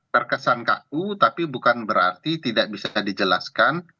terkesan ku tapi bukan berarti tidak bisa dijelaskan